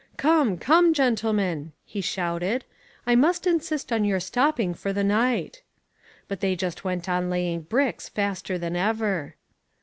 "Come, come, gentlemen," he shouted, "I must insist on your stopping for the night." But they just went on laying bricks faster than ever.